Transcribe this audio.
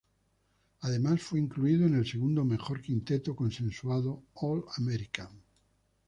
Además fue incluido en el segundo mejor quinteto consensuado All-American.